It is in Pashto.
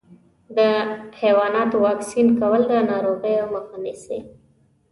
د حيواناتو واکسین کول د ناروغیو مخه نیسي.